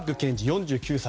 ４９歳。